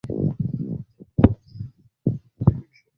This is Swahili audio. Namba tano ni mchezaji Yohan Cruyff